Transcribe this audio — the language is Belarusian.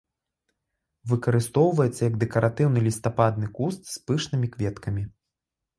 Выкарыстоўваецца як дэкаратыўны лістападны куст з пышнымі кветкамі.